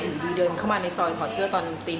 หนูดีเดินเข้ามาในซอยผอดเสื้อตอนตี๕